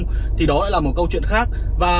b thì bao tiền cô